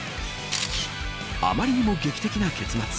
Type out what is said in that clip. あまりにも劇的な結末。